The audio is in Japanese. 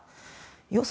予想